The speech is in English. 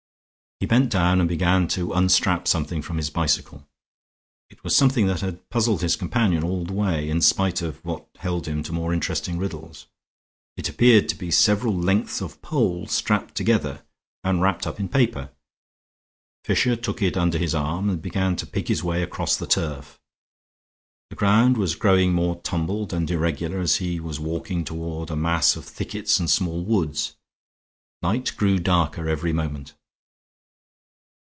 He bent down and began to unstrap something from his bicycle. It was something that had puzzled his companion all the way in spite of what held him to more interesting riddles; it appeared to be several lengths of pole strapped together and wrapped up in paper. Fisher took it under his arm and began to pick his way across the turf. The ground was growing more tumbled and irregular and he was walking toward a mass of thickets and small woods; night grew darker every moment.